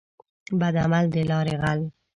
بد عمل دلاري غل.